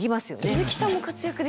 鈴木さんも活躍できる？